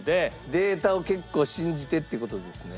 データを結構信じてって事ですね？